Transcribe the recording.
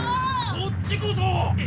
そっちこそ！